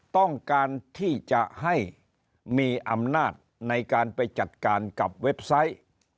ต้องการที่จะให้มีอำนาจในการไปจัดการกับเว็บไซต์